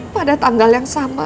pada tanggal yang sama